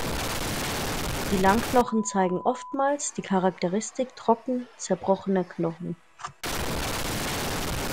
Die Langknochen zeigen oftmals die Charakteristik trocken zerbrochener Knochen.